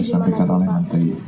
sampai ke mana pak